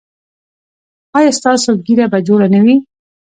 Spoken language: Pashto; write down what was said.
ایا ستاسو ږیره به جوړه نه وي؟